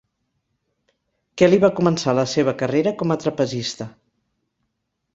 Kelly va començar la seva carrera com a trapezista.